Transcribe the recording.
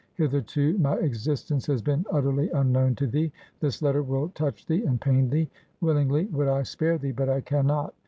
Hitherto my existence has been utterly unknown to thee. This letter will touch thee and pain thee. Willingly would I spare thee, but I can not.